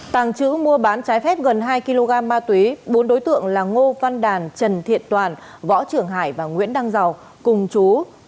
tàng trữ mua bán trái phép gần hai kg ma túy bốn đối tượng là ngô văn đàn trần thiện toàn võ trưởng hải và nguyễn đăng giàu cùng chú